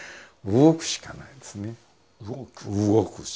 動くしかないです。